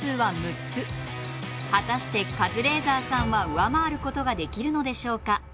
果たしてカズレーザーさんは上回ることができるのでしょうか。